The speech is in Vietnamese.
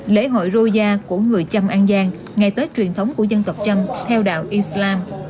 lễ hội roja của người châm an giang ngày tết truyền thống của dân tộc châm theo đạo islam